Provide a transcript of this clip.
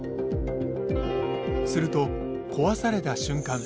すると壊された瞬間